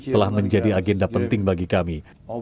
telah menjadi agenda penting bagi kami